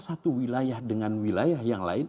satu wilayah dengan wilayah yang lain